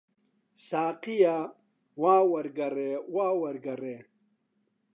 ساقییا، وا وەرگەڕێ، وا وەرگەڕێ!